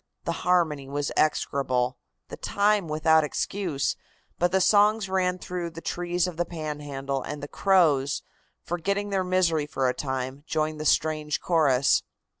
The harmony was execrable, the time without excuse, but the songs ran through the trees of the Panhandle, and the crows, forgetting their misery for a time, joined the strange chorus.